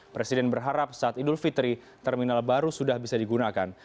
presiden berharap saat idul fitri terminal baru sudah bisa digunakan